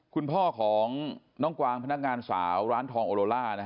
คุณพ่อของน้องกวางพนักงานสาวร้านทองโอโลล่า